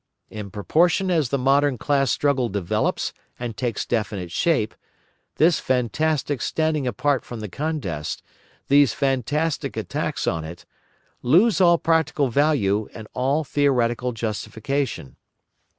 In proportion as the modern class struggle develops and takes definite shape, this fantastic standing apart from the contest, these fantastic attacks on it, lose all practical value and all theoretical justification.